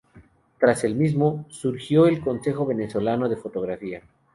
Tras el mismo, surgió el Consejo Venezolano de Fotografía.